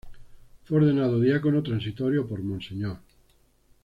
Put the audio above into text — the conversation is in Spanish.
Fue ordenado diácono transitorio por Mons.